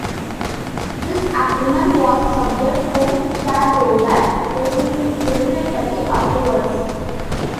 This agreement was subject to shareholder regulatory approvals.